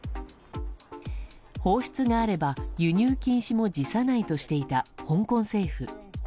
放出があれば輸入禁止も辞さないとしていた香港政府。